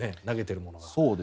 投げてるものが。